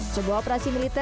sebuah operasi militer